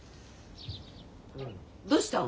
どうしたの？